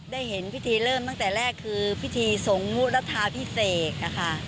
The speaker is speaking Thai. ได้เห็นพิธีเริ่มตั้งแต่แรกคือพิธีสงฆ์มุรัฐาพิเศษนะคะ